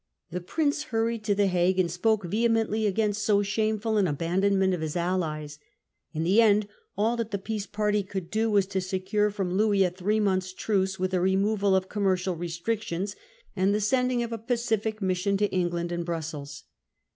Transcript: The Prince hurried to the frustrate the a S ue anf * s P°^ e vehemently against so endeavours shameful an abandonment of his allies. In for peace. t ^ e en d a p that the peace party could do was to secure from Louis a three months' truce, with a removal of commercial restrictions, and the sending a pacific mission to England and Brussels.